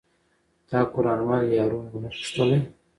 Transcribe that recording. تا قران مل یارو ونه پوښتلئ